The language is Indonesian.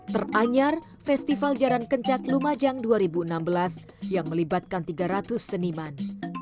teranyar festival jaran kencak lumajang dua ribu enam belas yang melibatkan tiga ratus seniman